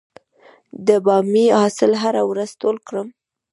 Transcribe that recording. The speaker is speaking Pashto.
د بامیې حاصل هره ورځ ټول کړم؟